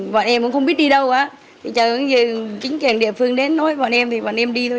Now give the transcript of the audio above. bọn em cũng không biết đi đâu chẳng có gì chính kiện địa phương đến nói với bọn em thì bọn em đi thôi